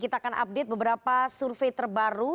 kita akan update beberapa survei terbaru